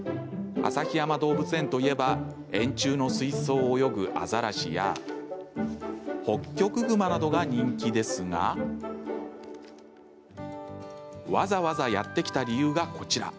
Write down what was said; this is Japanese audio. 旭山動物園といえば円柱の水槽を泳ぐアザラシやホッキョクグマなどが人気ですがわざわざやって来た理由がこちら。